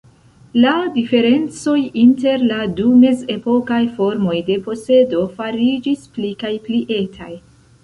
La diferencoj inter la du mezepokaj formoj de posedo fariĝis pli kaj pli etaj.